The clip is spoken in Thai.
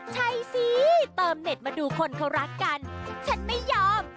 ใช่สิเติมเน็ตมาดูคนเขารักกันฉันไม่ยอม